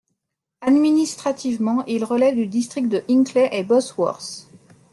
Administrativement, il relève du district de Hinckley and Bosworth.